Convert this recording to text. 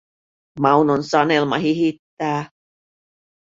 Maunon Sanelma hihittää.